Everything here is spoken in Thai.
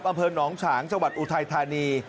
อำเภอหนองฉางจังหวัดอุทัยธานี